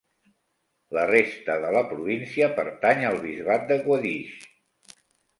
La resta de la província pertany al bisbat de Guadix.